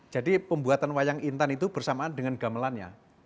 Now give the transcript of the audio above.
jadi pembuatan wayang intan itu bersamaan dengan gamelannya